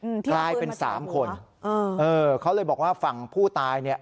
ที่มีปืนมาด้วยเป็นสามคนเออเออเขาเลยบอกว่าฝั่งผู้ตายเนี่ย